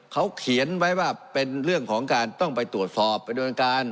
เขาเขียนไว้ว่าเป็นเรื่องของการต้องไปตรวจสอบไปโดนการ